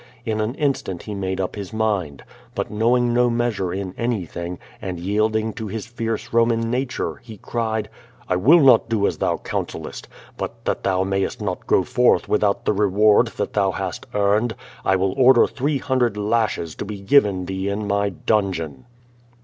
In an instant he made up his mind. But knoAving no measure in anything, and yielding to his fierce Soman na ture, he cried: "I will not do as thou counsellest. But that thou mayest not go forth without the reward that thou hast earned, I will order three hundred lashes to be given thee in my dungeon."